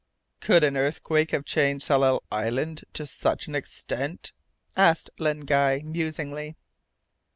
"Could an earthquake have changed Tsalal Island to such an extent?" asked Len Guy, musingly.